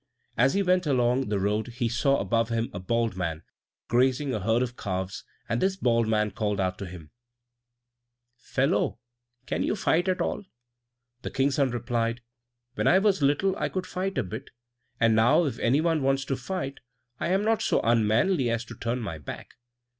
As he went along the road he saw above him a bald man, grazing a herd of calves, and this bald man called out to him, "Fellow! can you fight at all?" The King's son replied, "When I was little I could fight a bit, and now, if any one wants to fight, I am not so unmanly as to turn my back.